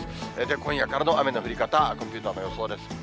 今夜からの雨の降り方、コンピューターの予想です。